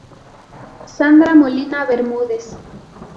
Sandra Molina Bermúdez.